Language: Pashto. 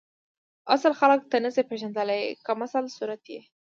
اصل خلک ته نسی پیژندلی کمسل صورت یی